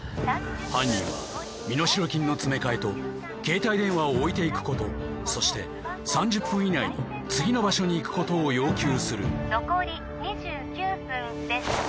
犯人は身代金の詰め替えと携帯電話を置いていくことそして３０分以内に次の場所に行くことを要求する残り２９分です